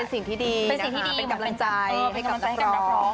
เป็นการกำลังใจให้กับนักร้อง